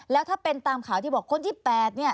แล้วถ้าเป็นตามข่าวที่บอกคนที่๘เนี่ย